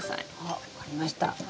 あ分かりました。